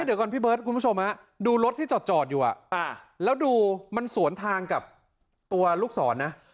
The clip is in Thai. เดี๋ยวก่อนพี่เบิร์ดคุณผู้ชมดูรถที่จอดอยู่แล้วดูมันสวนทางกับตัวลูกศรนะ